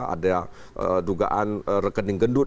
ada dugaan rekening gendut